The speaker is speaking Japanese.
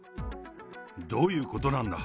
どういうことなんだ。